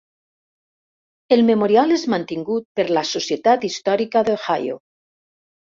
El memorial és mantingut per la Societat Històrica d'Ohio.